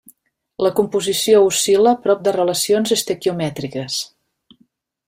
La composició oscil·la prop de relacions estequiomètriques.